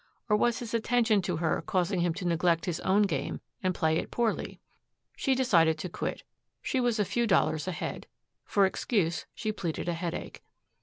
Or was his attention to her causing him to neglect his own game and play it poorly? She decided to quit. She was a few dollars ahead. For excuse she pleaded a headache.